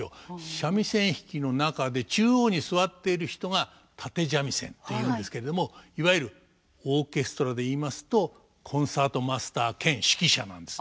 三味線弾きの中で中央に座っている人が立三味線というんですけれどもいわゆるオーケストラで言いますとコンサートマスター兼指揮者なんですね。